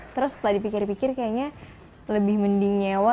terus setelah dipikir pikir kayaknya lebih mending nyewa